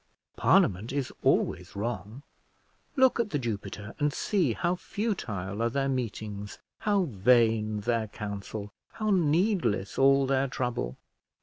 Parliament is always wrong: look at The Jupiter, and see how futile are their meetings, how vain their council, how needless all their trouble!